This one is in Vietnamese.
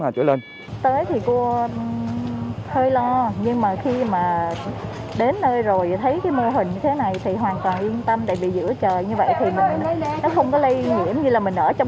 tại vì giữa trời như vậy thì nó không có lây nhiễm như là mình ở trong cái phòng kính